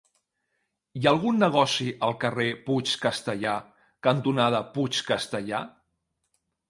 Hi ha algun negoci al carrer Puig Castellar cantonada Puig Castellar?